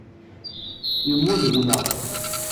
Yemmut gma.